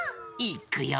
いくよ！